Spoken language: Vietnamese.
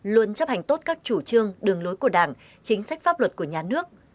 luôn chấp hành tốt các chủ trương đường lối của đảng chính sách pháp luật của nhà nước